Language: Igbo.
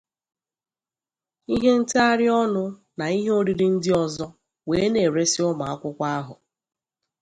ihe ntagharịọnụ na ihe oriri ndị ọzọ wee na-eresi ụmụakwụkwọ ahụ.